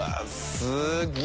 すげえ！